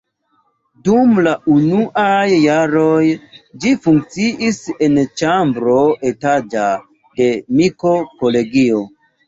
Dum la unuaj jaroj ĝi funkciis en ĉambro etaĝa de Miko-kolegio.